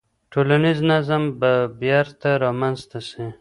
ټولنیز نظم به بیرته رامنځته سي.